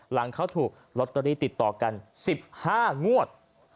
หลังเขาถูกลอตเตอรี่ติดต่อกัน๑๕งวด